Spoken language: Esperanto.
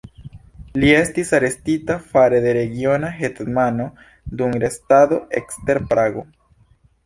Li estis arestita fare de regiona hetmano dum restado ekster Prago.